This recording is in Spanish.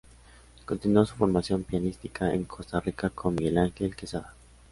Continuó su formación pianística en Costa Rica con Miguel Angel Quesada.